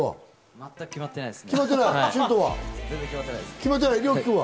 全く決まってないですね。